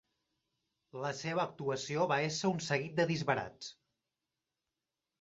La seva actuació va ésser un seguit de disbarats.